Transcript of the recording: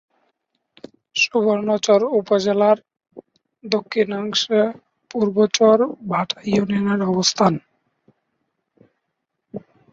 সুবর্ণচর উপজেলার দক্ষিণাংশে পূর্ব চর বাটা ইউনিয়নের অবস্থান।